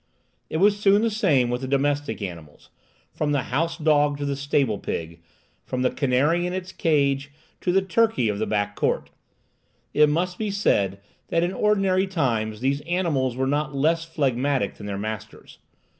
It was soon the same with the domestic animals, from the house dog to the stable pig, from the canary in its cage to the turkey of the back court. It must be said that in ordinary times these animals were not less phlegmatic than their masters.